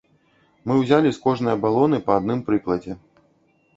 Мы ўзялі з кожнае балоны па адным прыкладзе.